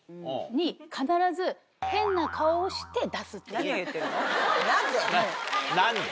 何を言ってるの？